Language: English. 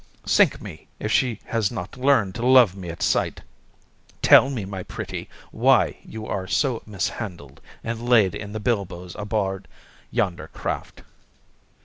Sink me, if she has not learned to love me at sight! Tell me, my pretty, why you were so mishandled and laid in the bilboes aboard yonder craft?"